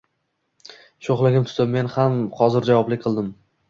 Sho`xligim tutib men ham hozirjavoblik qildim